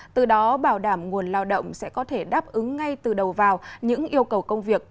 từ đó bảo đảm nguồn lao động sẽ có thể đáp ứng ngay từ đầu vào những yêu cầu công việc